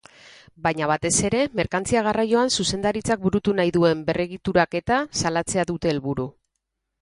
Baina batez ere merkantzia garraioan zuzendaritzak burutu nahi duen berregituraketa salatzea dute helburu.